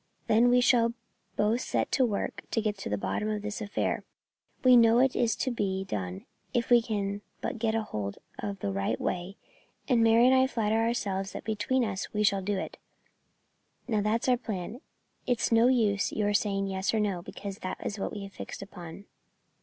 Then we shall both set to work to get to the bottom of this affair. We know it is to be done if we can but get hold of the right way, and Mary and I flatter ourselves that between us we shall do it. Now that's our plan. It's no use your saying yes or no, because that's what we have fixed upon."